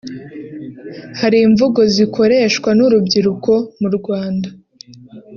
Hari imvugo zikoreshwa n’urubyiruko mu Rwanda